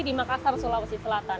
di makassar sulawesi selatan